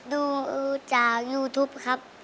ดูจากยูทูปครับ